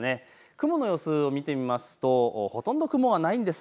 雲の様子を見てみますとほとんど雲がないんです。